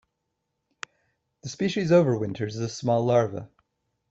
The species overwinters as a small larva.